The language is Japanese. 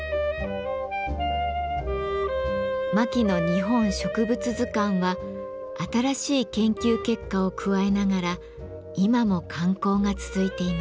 「牧野日本植物図鑑」は新しい研究結果を加えながら今も刊行が続いています。